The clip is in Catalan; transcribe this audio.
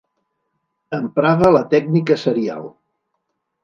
Emprava la tècnica serial.